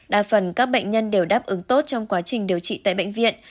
đa phần các bệnh nhân đều đáp ứng tốt trong quá trình điều trị tại bệnh viện